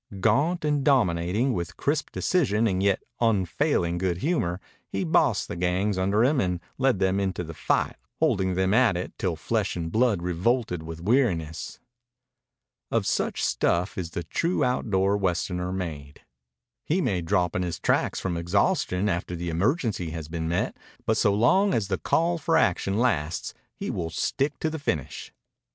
Gaunt and dominating, with crisp decision and yet unfailing good humor, he bossed the gangs under him and led them into the fight, holding them at it till flesh and blood revolted with weariness. Of such stuff is the true outdoor Westerner made. He may drop in his tracks from exhaustion after the emergency has been met, but so long as the call for action lasts he will stick to the finish.